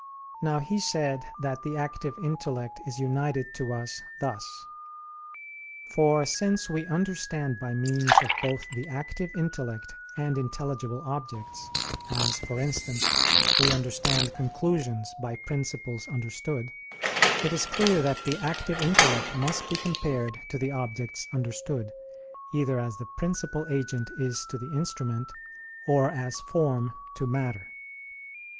Now he said that the active intellect is united to us, thus. For since we understand by means of both the active intellect and intelligible objects, as, for instance, we understand conclusions by principles understood; it is clear that the active intellect must be compared to the objects understood, either as the principal agent is to the instrument, or as form to matter.